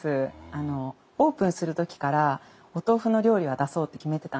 あのオープンする時からお豆腐の料理は出そうって決めてたんですよ。